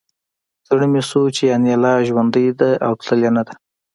زړه مې ښه شو چې انیلا ژوندۍ ده او تللې نه ده